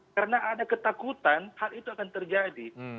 karena ada ketakutan hal itu akan terjadi